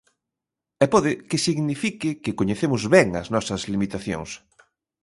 E pode que signifique que coñecemos ben as nosas limitacións.